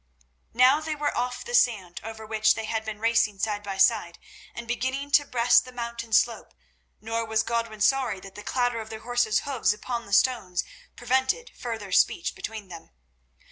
Now they were off the sand over which they had been racing side by side, and beginning to breast the mountain slope, nor was Godwin sorry that the clatter of their horses' hoofs upon the stones prevented further speech between them.